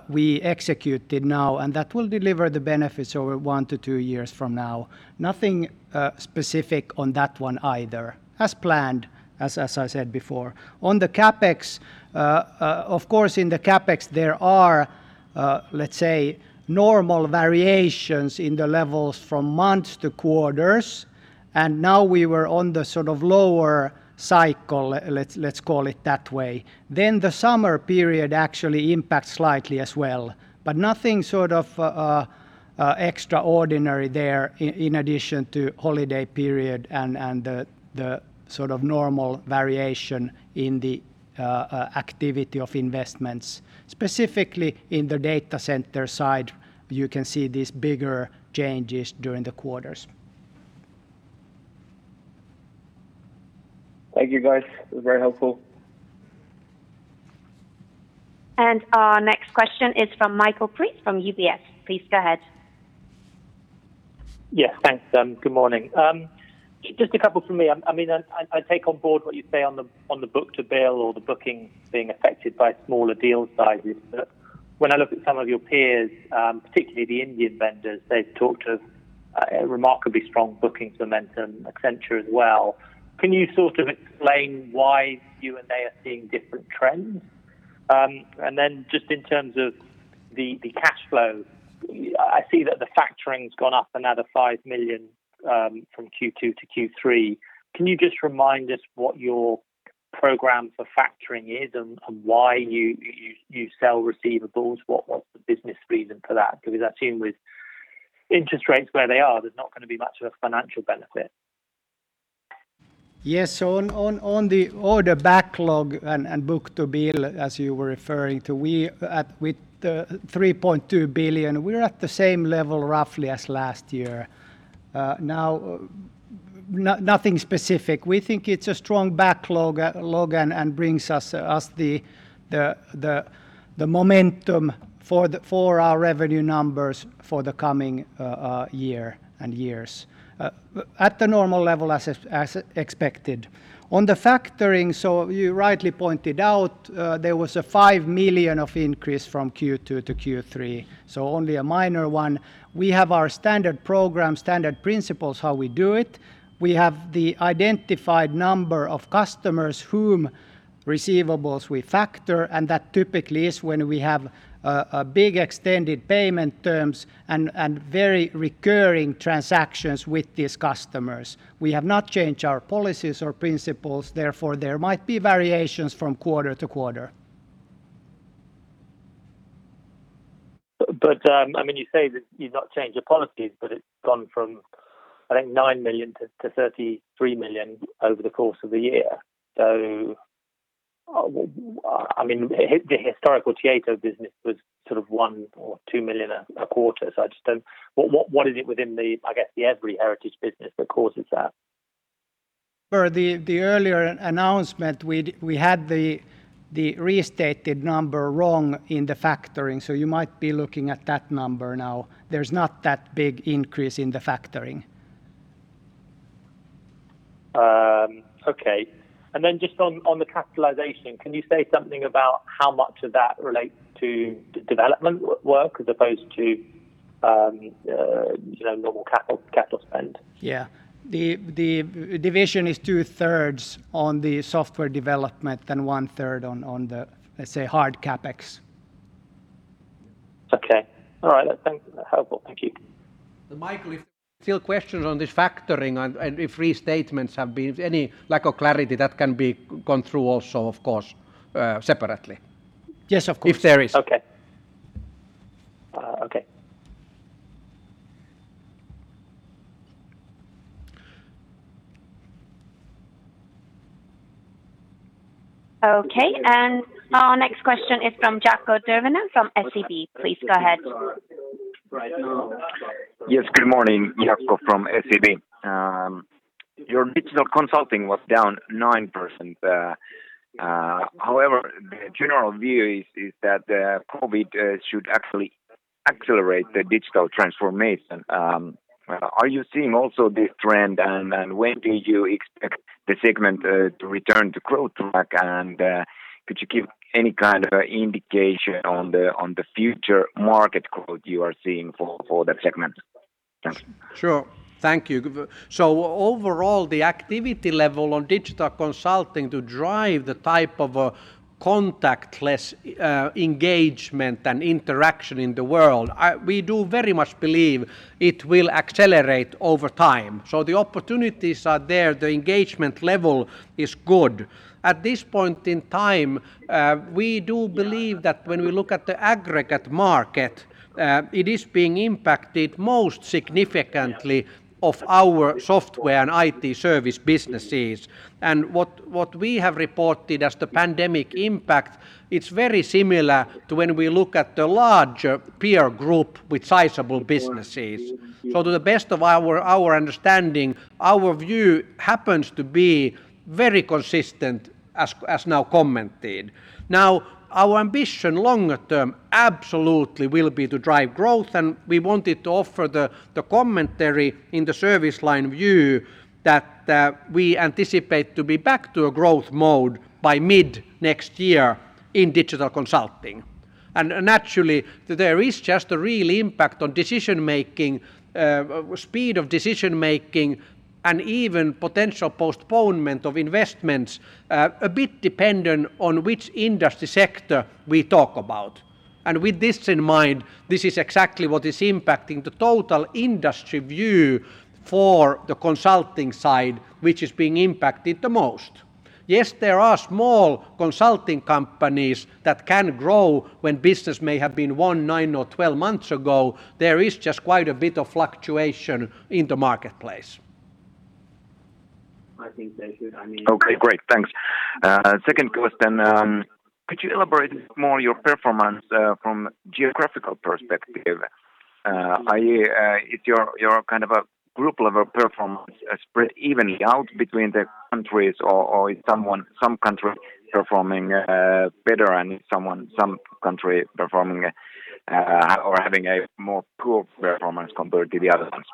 we executed now, and that will deliver the benefits over one to two years from now. Nothing specific on that one either. As planned, as I said before. On the CapEx, of course, in the CapEx, there are, let's say, normal variations in the levels from months to quarters, and now we were on the sort of lower cycle, let's call it that way. The summer period actually impacts slightly as well, but nothing sort of extraordinary there in addition to holiday period and the sort of normal variation in the activity of investments. Specifically in the data center side, you can see these bigger changes during the quarters. Thank you, guys. It was very helpful. Our next question is from Michael Briest from UBS. Please go ahead. Yeah. Thanks. Good morning. Just a couple from me. I take on board what you say on the book-to-bill or the bookings being affected by smaller deal sizes. When I look at some of your peers, particularly the Indian vendors, they've talked of remarkably strong booking momentum, Accenture as well. Can you sort of explain why you and they are seeing different trends? Just in terms of the cash flow, I see that the factoring's gone up another 5 million from Q2 to Q3. Can you just remind us what your program for factoring is and why you sell receivables? What's the business reason for that? I assume with interest rates where they are, there's not going to be much of a financial benefit. Yes. On the order backlog and book-to-bill, as you were referring to, with the 3.2 billion, we're at the same level roughly as last year. Nothing specific. We think it's a strong backlog and brings us the momentum for our revenue numbers for the coming year and years at the normal level as expected. On the factoring, you rightly pointed out there was a 5 million of increase from Q2 to Q3, so only a minor one. We have our standard program, standard principles how we do it. We have the identified number of customers whom receivables we factor, and that typically is when we have a big extended payment terms and very recurring transactions with these customers. We have not changed our policies or principles, therefore there might be variations from quarter to quarter. You say that you've not changed your policies, but it's gone from, I think, 9 million to 33 million over the course of the year. The historical Tieto business was sort of 1 million or 2 million a quarter. I just don't. What is it within the, I guess, the EVRY heritage business that causes that? Per the earlier announcement, we had the restated number wrong in the factoring, so you might be looking at that number now. There is not that big increase in the factoring. Okay. Then just on the capitalization, can you say something about how much of that relates to development work as opposed to normal capital spend? The division is two-thirds on the software development and one-third on the, let's say, hard CapEx. Okay. All right. Thanks. That's helpful. Thank you. Michael, if still questions on this factoring and if restatements have been any lack of clarity that can be gone through also, of course, separately. Yes, of course. If there is. Okay. Okay. Our next question is from Jaakko Tyrväinen from SEB. Please go ahead. Yes. Good morning. Jaakko from SEB. Your digital consulting was down 9%. The general view is that the COVID should actually accelerate the digital transformation. Are you seeing also this trend, and when do you expect the segment to return to growth track? Could you give any kind of indication on the future market growth you are seeing for that segment? Thanks. Sure. Thank you. Overall, the activity level on digital consulting to drive the type of contactless engagement and interaction in the world, we do very much believe it will accelerate over time. The opportunities are there. The engagement level is good. At this point in time, we do believe that when we look at the aggregate market, it is being impacted most significantly of our software and IT service businesses. What we have reported as the pandemic impact, it's very similar to when we look at the larger peer group with sizable businesses. To the best of our understanding, our view happens to be very consistent as now commented. Now, our ambition longer term absolutely will be to drive growth, and we wanted to offer the commentary in the service line view that we anticipate to be back to a growth mode by mid-next year in digital consulting. Naturally, there is just a real impact on decision-making, speed of decision-making, and even potential postponement of investments, a bit dependent on which industry sector we talk about. With this in mind, this is exactly what is impacting the total industry view for the consulting side, which is being impacted the most. Yes, there are small consulting companies that can grow when business may have been won nine or 12 months ago. There is just quite a bit of fluctuation in the marketplace. Okay, great. Thanks. Second question. Could you elaborate more your performance from geographical perspective? I.e., if your kind of a group level performance spread evenly out between the countries or is some country performing better and some country performing or having a more poor performance compared to the other ones?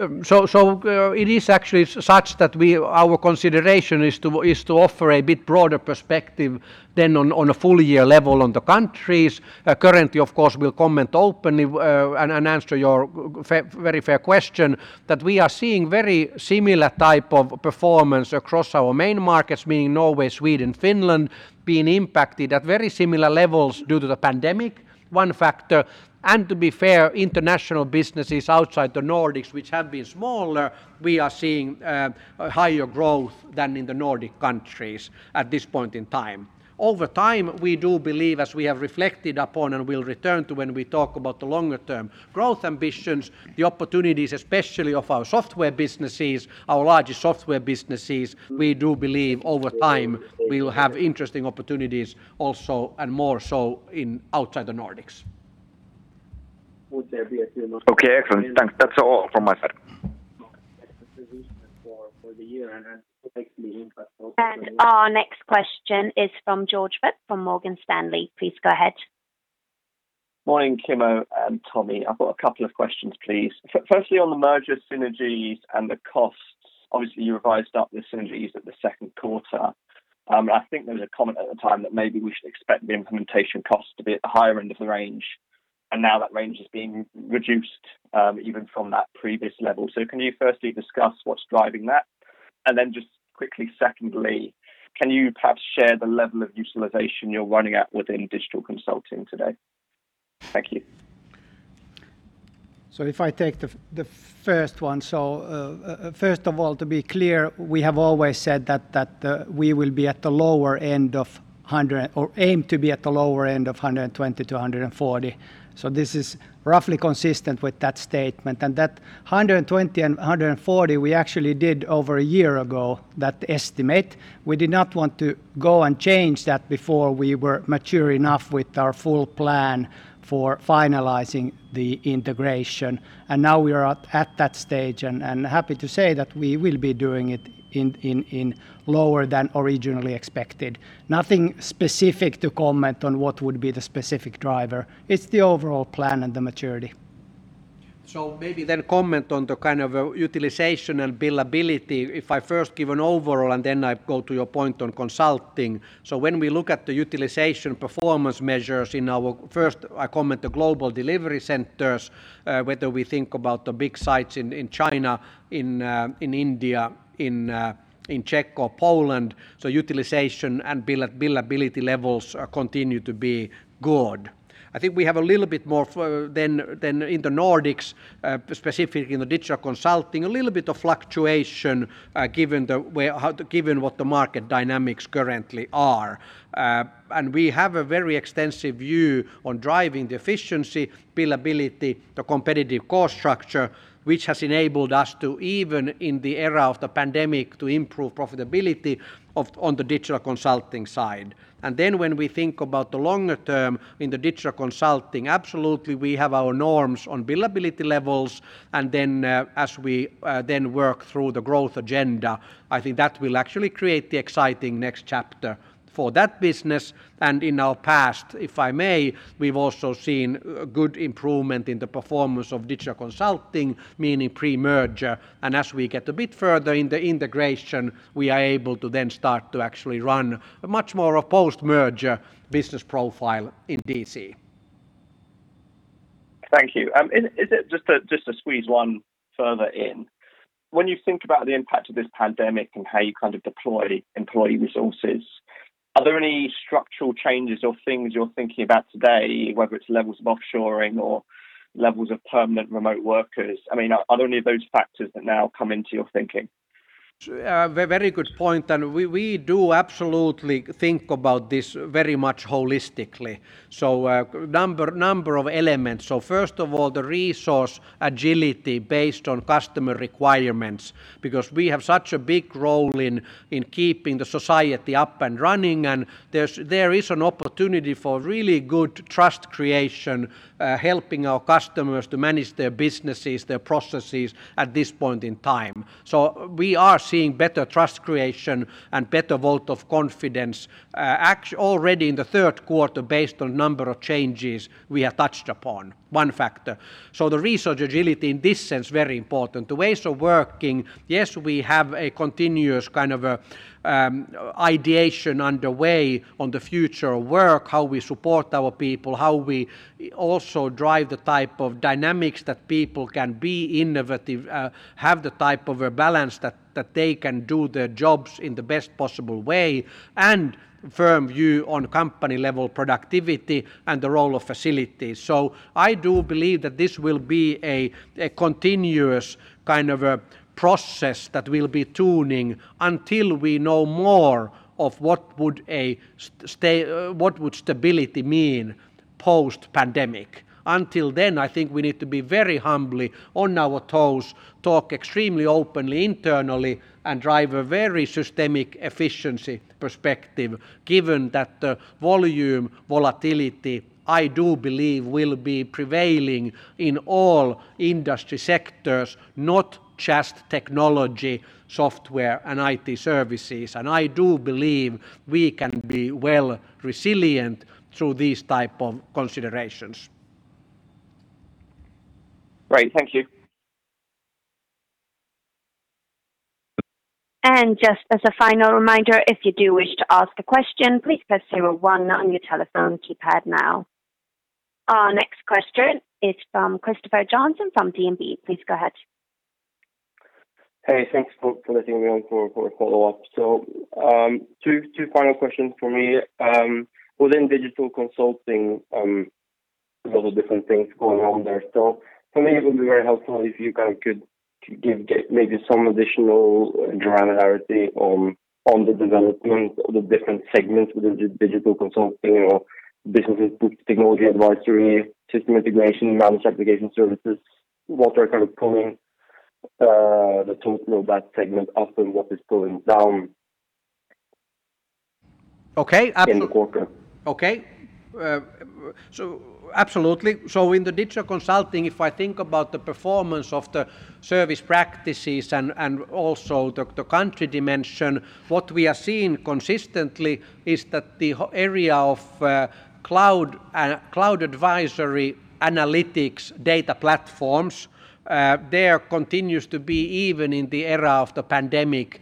It is actually such that our consideration is to offer a bit broader perspective than on a full-year level on the countries. Currently, of course, we will comment openly and answer your very fair question that we are seeing very similar type of performance across our main markets, meaning Norway, Sweden, Finland, being impacted at very similar levels due to the pandemic, one factor. To be fair, international businesses outside the Nordics, which have been smaller, we are seeing higher growth than in the Nordic countries at this point in time. Over time, we do believe, as we have reflected upon and will return to when we talk about the longer-term growth ambitions, the opportunities especially of our software businesses, our largest software businesses, we do believe over time we will have interesting opportunities also and more so outside the Nordics. Would there be a- Okay, excellent. Thanks. That's all from my side. for the year and then potentially impact-. Our next question is from George Webb from Morgan Stanley. Please go ahead. Morning, Kimmo and Tomi. I've got a couple of questions, please. Firstly, on the merger synergies and the costs. Obviously, you revised up the synergies at the second quarter. I think there was a comment at the time that maybe we should expect the implementation cost to be at the higher end of the range, and now that range is being reduced, even from that previous level. Can you firstly discuss what's driving that? Then just quickly, secondly, can you perhaps share the level of utilization you're running at within digital consulting today? Thank you. If I take the first one. First of all, to be clear, we have always said that we will be at the lower end of or aim to be at the lower end of 120 to 140. This is roughly consistent with that statement. That 120 and 140, we actually did over a year ago, that estimate. We did not want to go and change that before we were mature enough with our full plan for finalizing the integration. Now we are at that stage and happy to say that we will be doing it in lower than originally expected. Nothing specific to comment on what would be the specific driver. It's the overall plan and the maturity. Maybe then comment on the kind of utilization and billability. If I first give an overall and then I go to your point on consulting. When we look at the utilization performance measures in our first comment, the global delivery centers, whether we think about the big sites in China, in India, in Czech or Poland. Utilization and billability levels continue to be good. I think we have a little bit more than in the Nordics, specifically in the digital consulting, a little bit of fluctuation given what the market dynamics currently are. We have a very extensive view on driving the efficiency, billability, the competitive cost structure, which has enabled us to, even in the era of the pandemic, to improve profitability on the digital consulting side. When we think about the longer term in the digital consulting, absolutely, we have our norms on billability levels. As we then work through the growth agenda, I think that will actually create the exciting next chapter for that business. In our past, if I may, we've also seen good improvement in the performance of digital consulting, meaning pre-merger. As we get a bit further in the integration, we are able to then start to actually run much more a post-merger business profile in DC. Thank you. Just to squeeze one further in. When you think about the impact of this pandemic and how you kind of deploy employee resources, are there any structural changes or things you're thinking about today, whether it's levels of offshoring or levels of permanent remote workers? Are there any of those factors that now come into your thinking? Very good point. We do absolutely think about this very much holistically. Number of elements. First of all, the resource agility based on customer requirements because we have such a big role in keeping the society up and running, and there is an opportunity for really good trust creation, helping our customers to manage their businesses, their processes at this point in time. We are seeing better trust creation and better vote of confidence already in the third quarter based on number of changes we have touched upon. One factor. The resource agility in this sense, very important. The ways of working, yes, we have a continuous kind of ideation underway on the future of work, how we support our people, how we also drive the type of dynamics that people can be innovative have the type of a balance that they can do their jobs in the best possible way and firm view on company-level productivity and the role of facilities. I do believe that this will be a continuous kind of a process that we'll be tuning until we know more of what would stability mean post-pandemic. Until then, I think we need to be very humbly on our toes, talk extremely openly internally, and drive a very systemic efficiency perspective given that the volume volatility, I do believe, will be prevailing in all industry sectors, not just technology, software, and IT services. I do believe we can be well resilient through these type of considerations. Great. Thank you. Just as a final reminder, if you do wish to ask a question, please press zero one on your telephone keypad now. Our next question is from Christopher Johnson from DNB. Please go ahead. Hey, thanks for letting me on for a follow-up. Two final questions for me. Within Digital Consulting, there's a lot of different things going on there. For me, it would be very helpful if you kind of could give maybe some additional granularity on the development of the different segments within Digital Consulting or businesses with Technology Advisory, System Integration, Managed Application Services, what are kind of pulling the total of that segment up and what is pulling down? Okay. Absolutely. In the digital consulting, if I think about the performance of the service practices and also the country dimension, what we are seeing consistently is that the area of cloud advisory analytics data platforms continues to have, even in the era of the pandemic,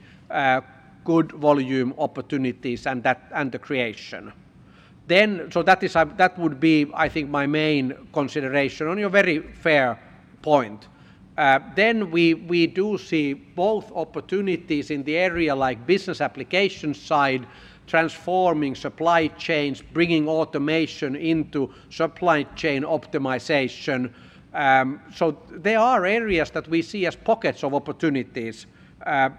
good volume opportunities and creation. That would be my main consideration on your very fair point. We do see both opportunities in the area like business application side, transforming supply chains, bringing automation into supply chain optimization. There are areas that we see as pockets of opportunities,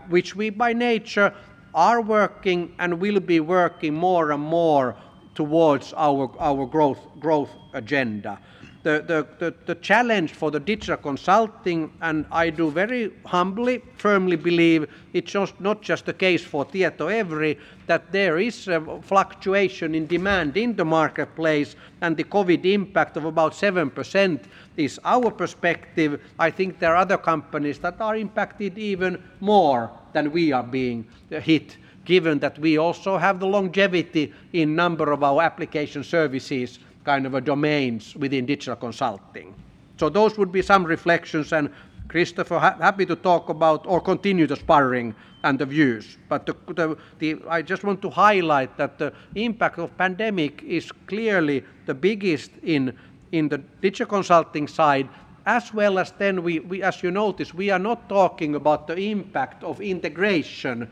which we by nature are working and will be working more and more towards our growth agenda. The challenge for digital consulting, and I do very humbly, firmly believe it's not just the case for TietoEVRY, is that there is a fluctuation in demand in the marketplace, and the COVID impact of about 7% is our perspective. I think there are other companies that are impacted even more than we are being hit, given that we also have the longevity in a number of our application services domains within digital consulting. Those would be some reflections, and Christopher, happy to talk about or continue the sparring and the views. I just want to highlight that the impact of the pandemic is clearly the biggest in the digital consulting side, as well as you noticed, we are not talking about the impact of integration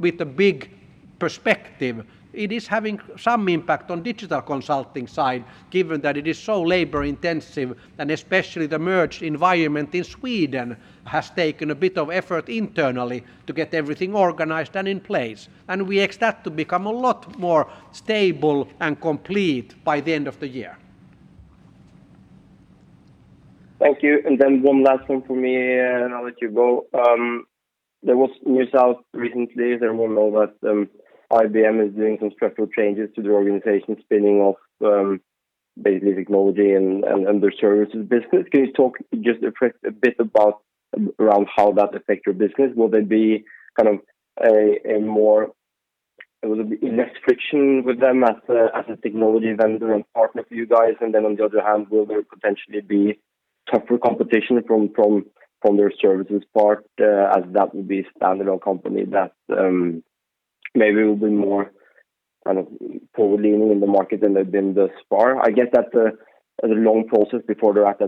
with a big perspective. It is having some impact on the digital consulting side, given that it is so labor-intensive, and especially the merged environment in Sweden has taken a bit of effort internally to get everything organized and in place. We expect to become a lot more stable and complete by the end of the year. One last one from me and I'll let you go. There was news out recently that IBM is doing some structural changes to the organization, spinning off basically technology and their services business. Can you talk just a bit about how that affects your business? Will there be less friction with them as a technology vendor and partner for you guys? On the other hand, will there potentially be tougher competition from their services part, as that will be a standalone company that maybe will be more forward-leaning in the market than they've been thus far? I get that there's a long process before they're at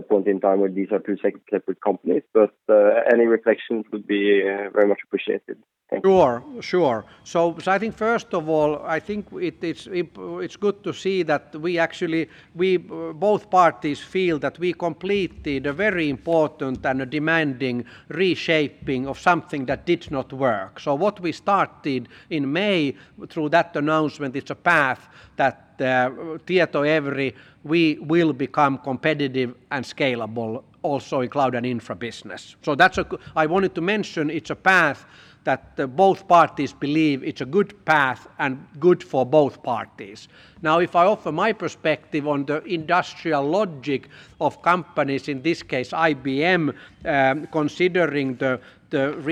that both parties believe is a good path and good for both parties. Now, if I offer my perspective on the industrial logic of companies, in this case, IBM, considering the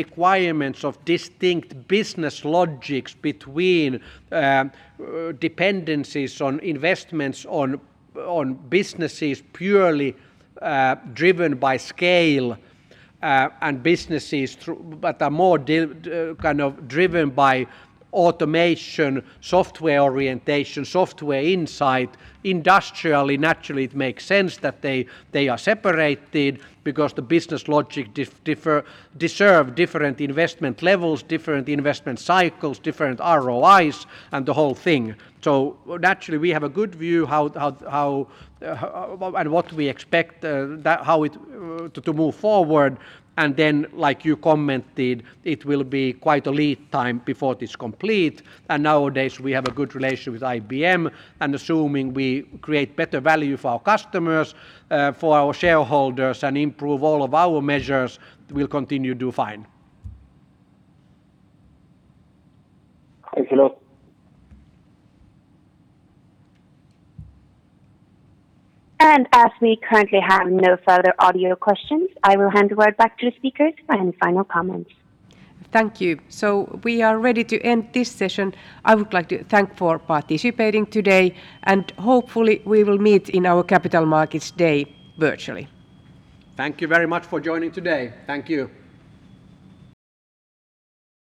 requirements of distinct business logics between dependencies on investments on businesses purely driven by scale and businesses that are more driven by automation, software orientation, software insight, industrially, naturally, it makes sense that they are separated because the business logic deserves different investment levels, different investment cycles, different ROIs, and the whole thing. Naturally, we have a good view on what we expect to move forward, and then as you commented, it will be quite a lead time before it is complete. Nowadays, we have a good relationship with IBM, and assuming we create better value for our customers, for our shareholders, and improve all of our measures, we'll continue to do fine. Thank you. As we currently have no further audio questions, I will hand the word back to the speakers for any final comments. Thank you. We are ready to end this session. I would like to thank you for participating today, and hopefully we will meet in our Capital Markets Day virtually. Thank you very much for joining today. Thank you.